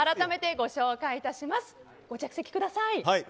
ご着席ください。